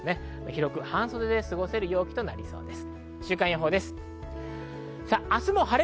広く半袖で過ごせる陽気となりそうです。